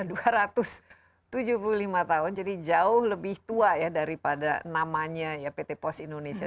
pada tahun ini akan berusia dua ratus tujuh puluh lima tahun jadi jauh lebih tua daripada namanya pt pos indonesia